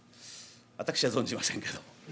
私は存じませんけども。